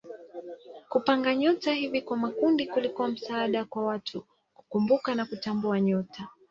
Kupanga nyota hivi kwa makundi kulikuwa msaada kwa watu kukumbuka na kutambua nyota.